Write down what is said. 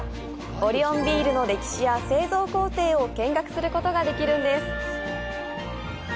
オリオンビールの歴史や製造工程を見学することができるんです。